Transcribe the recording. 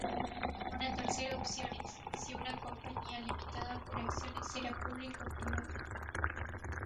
Una tercera opción es, si una compañía limitada por acciones será pública o privada.